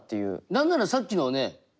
何ならさっきのね。